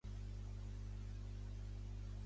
No li facis cas, noi —diu una veu sud-americana—.